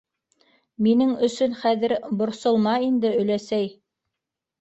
Минең өсөн хәҙер борсолма инде, өләсәй.